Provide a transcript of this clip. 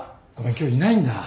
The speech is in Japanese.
今日いないんだ。